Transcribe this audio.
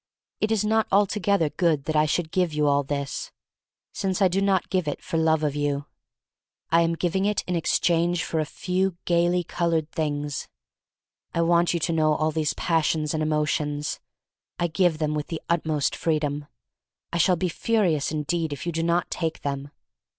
It is not altogether good that I should give you all this, since I do not give it for love pf you. I am giving it in exchange for a few gayly colored things. I want you to know all these passions and emotions. I give them with the utmost freedom. I shall be furious indeed if you do not take them.